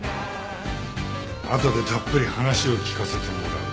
あとでたっぷり話を聞かせてもらう。